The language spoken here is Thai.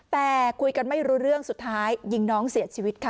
แต่คุยกันไม่รู้เรื่องสุดท้ายยิงน้องเสียชีวิตค่ะ